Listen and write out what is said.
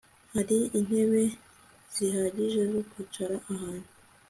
Hari intebe zihagije zo kwicara abantu